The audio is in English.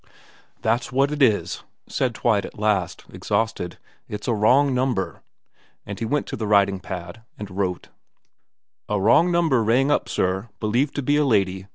' That's what it is,' said Twite at last, exhausted. ' It's a wrong number.' And he went to the writing pad and wrote : A wrong number rang up sir believed to be a lady 9.